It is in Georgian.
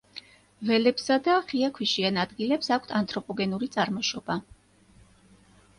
ველებსა და ღია ქვიშიან ადგილებს აქვთ ანთროპოგენური წარმოშობა.